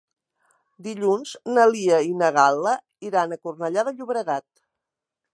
Dilluns na Lia i na Gal·la iran a Cornellà de Llobregat.